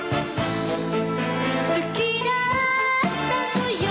「好きだったのよ